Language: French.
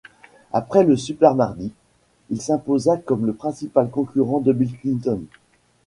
Après le super mardi, il s'imposa comme le principal concurrent de Bill Clinton.